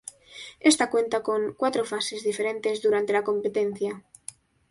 Esta cuenta con cuatro fases diferentes durante la competencia.